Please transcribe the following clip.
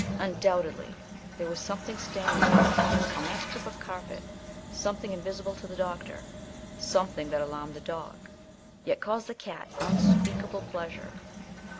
Undoubtedly, there was something standing there on that strip of carpet, something invisible to the doctor, something that alarmed the dog, yet caused the cat unspeakable pleasure.